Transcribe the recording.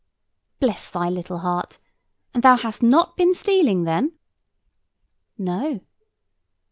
"Bless thy little heart! And thou hast not been stealing, then?" "No."